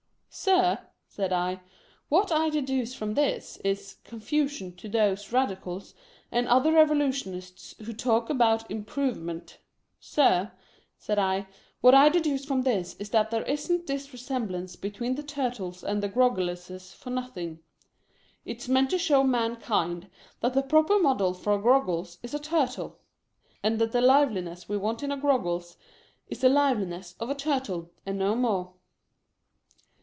"Sir," said I, "what I deduce from this is, confusion to those Eadicals and other Eevolutionists who talk about 252 LIVELY TUETLB. improvement. Sir, " said I, " what I deduce from this is, that there isn't this resemblance between the Turtles and the Groggleses for nothing. It's meant to show mankind that the proper model for a Groggles is a Turtle ; and that the liveliness we want in a Groggles is the liveliness of a Turtle, and no more."